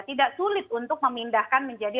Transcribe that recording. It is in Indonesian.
tidak sulit untuk memindahkan menjadi